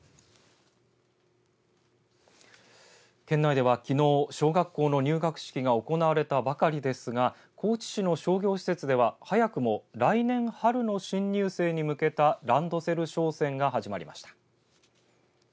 県内ではきのう小学校の入学式が行われたばかりですが高知市の商業施設では早くも来年春の新入生に向けたランドセル商戦が始まりました。